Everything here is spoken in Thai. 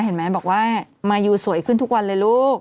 เห็นไหมบอกว่ามายูสวยขึ้นทุกวันเลยลูก